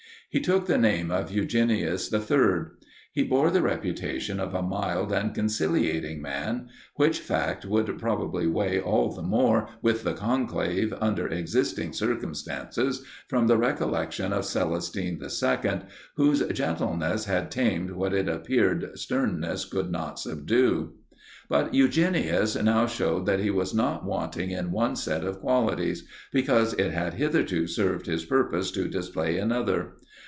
He took the name of Eugenius III. He bore the reputation of a mild and conciliating man; which fact would probably weigh all the more with the conclave under existing circumstances, from the recollection of Celestine II., whose gentleness had tamed what it appeared sternness could not subdue. But Eugenius now showed that he was not wanting in one set of qualities, because it had hitherto served his purpose to display another.